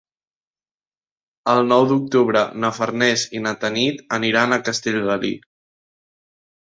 El nou d'octubre na Farners i na Tanit aniran a Castellgalí.